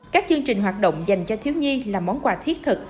các chương trình hoạt động dành cho thiếu nhi là món quà thiết thực